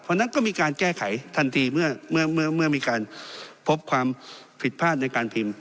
เพราะฉะนั้นก็มีการแก้ไขทันทีเมื่อมีการพบความผิดพลาดในการพิมพ์